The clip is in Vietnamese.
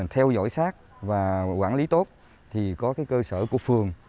theo dõi sát và quản lý tốt thì có cơ sở của phường